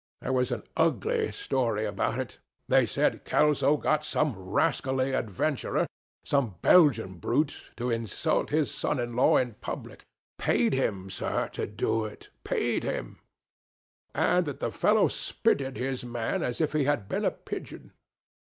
There was an ugly story about it. They said Kelso got some rascally adventurer, some Belgian brute, to insult his son in law in public—paid him, sir, to do it, paid him—and that the fellow spitted his man as if he had been a pigeon.